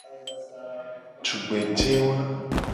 Tugbeje wa.